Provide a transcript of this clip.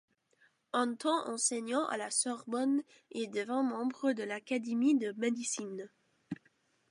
Un temps enseignant à la Sorbonne, il devint membre de l'Académie de médecine.